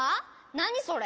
なにそれ？